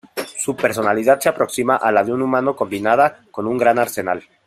Su personalidad se aproxima a la de un humano combinada con un gran arsenal.